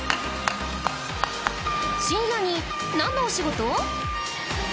深夜になんのお仕事？